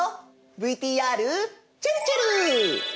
ＶＴＲちぇるちぇる！